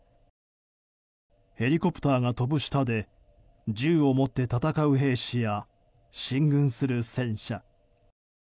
ヘリコプターが飛ぶ下で銃を持って戦う兵士や進軍する戦車。